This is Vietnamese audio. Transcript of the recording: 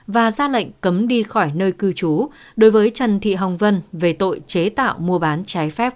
và ra lệnh cấm đi khỏi hành vi của dương minh nhất